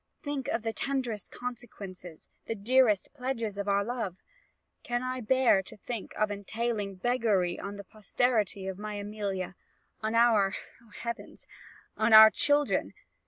Think of the tenderest consequences, the dearest pledges of our love. Can I bear to think of entailing beggary on the posterity of my Amelia? on our Oh, Heavens! on our children!